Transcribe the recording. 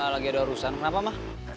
lagi ada urusan kenapa mah